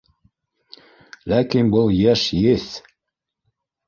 Ләкин был йәш еҫ.